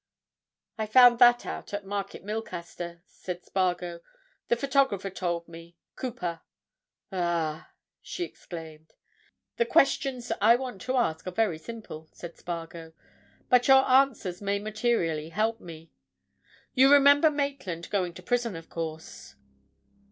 "I found that out at Market Milcaster," said Spargo. "The photographer told me—Cooper." "Ah!" she exclaimed. "The questions I want to ask are very simple," said Spargo. "But your answers may materially help me. You remember Maitland going to prison, of course?"